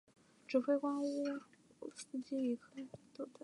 指挥官若乌凯夫斯基与科涅茨波尔斯基带兵至楚措拉作战。